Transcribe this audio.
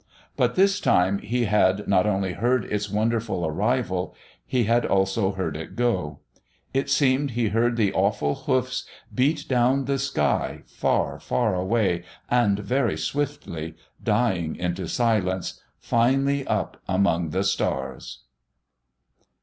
But this time he had not only heard its wonderful arrival. He had also heard it go. It seemed he heard the awful hoofs beat down the sky, far, far away, and very swiftly, dying into silence, finally up among the stars.